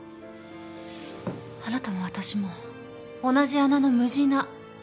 あなたも私も同じ穴のむじな。